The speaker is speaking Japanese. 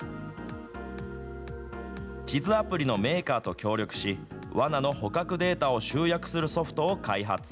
地図アプリのメーカーと協力し、わなの捕獲データを集約するソフトを開発。